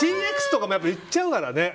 ＣＸとかも言っちゃうからね。